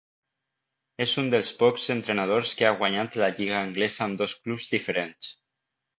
És un dels pocs entrenadors que ha guanyat la lliga anglesa amb dos clubs diferents.